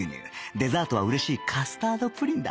デザートは嬉しいカスタードプリンだ